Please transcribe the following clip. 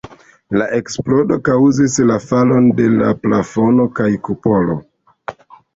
La eksplodo kaŭzis la falon de la plafono kaj kupolo.